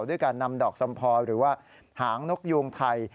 ด้วยการนำดอกสัมพอหรือว่าหางนกยูงไทย